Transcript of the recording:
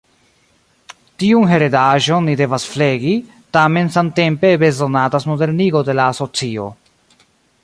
Tiun heredaĵon ni devas flegi, tamen samtempe bezonatas modernigo de la asocio.